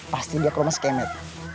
pasti dia ke rumah skemate